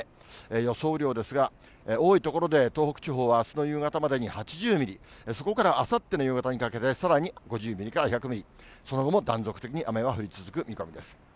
予想雨量ですが、多い所で東北地方はあすの夕方までに８０ミリ、そこからあさっての夕方にかけて、さらに５０ミリから１００ミリ、その後も断続的に雨が降り続く見込みです。